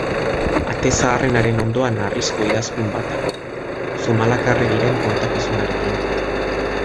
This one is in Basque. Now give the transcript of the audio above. Ate zaharrenaren ondoan harrizko idazkun bat dago, Zumalakarregiren kontakizunarekin.